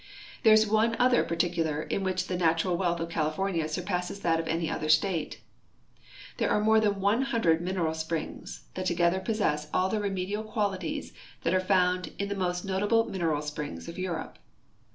There is one other particular in which the natural wealth of California surpasses that of any other state. There are more than one hundred mineral springs, that together po.ssess all tlie remedial qualities that are found in the most notable mineral springs of Europe.